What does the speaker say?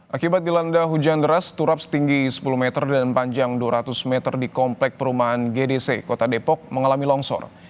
akibat dilanda hujan deras turap setinggi sepuluh meter dan panjang dua ratus meter di komplek perumahan gdc kota depok mengalami longsor